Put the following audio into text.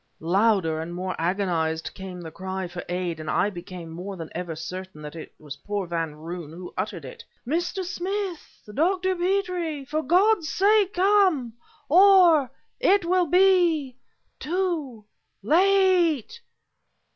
Louder and more agonized came the cry for aid, and I became more than ever certain that it was poor Van Roon who uttered it. "Mr. Smith! Dr. Petrie! for God's sake come... or... it will be ... too... late..."